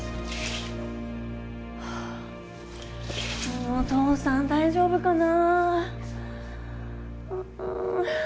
もう父さん大丈夫かな。